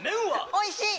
おいしい！